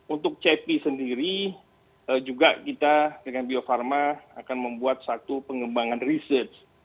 untuk cepi sendiri juga kita dengan bio farma akan membuat satu pengembangan research